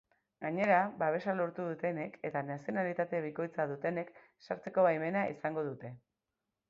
Gainera, babesa lortu dutenek eta nazionalitate bikoitza dutenek sartzeko baimena izango dute.